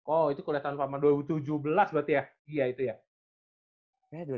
oh itu kuliah tahun pertama dua ribu tujuh belas berarti ya